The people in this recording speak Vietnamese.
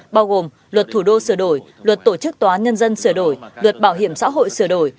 bao gồm luật thủ đô sửa đổi luật tổ chức tòa nhân dân sửa đổi luật bảo hiểm xã hội sửa đổi